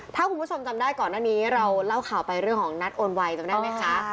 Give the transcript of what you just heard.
ถ้าคุณผู้ชมจำได้ก่อนหน้านี้เราเล่าข่าวไปเรื่องของนัดโอนไวจำได้ไหมคะ